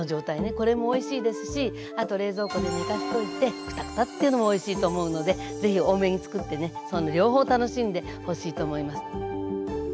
これもおいしいですしあと冷蔵庫で寝かしといてクタクタッていうのもおいしいと思うので是非多めにつくってねその両方楽しんでほしいと思います。